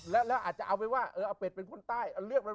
แล้วอาจจะเอาไว้ว่าเอาเป็ดเป็นคนใต้